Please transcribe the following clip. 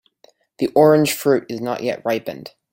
The orange fruit is not yet ripened.